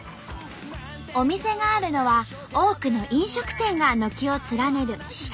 お店があるのは多くの飲食店が軒を連ねる下町エリア。